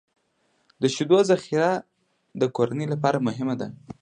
د شیدو ذخیره د کورنۍ لپاره مهمه ده.